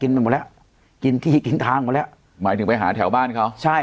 ไปหมดแล้วกินที่กินทางหมดแล้วหมายถึงไปหาแถวบ้านเขาใช่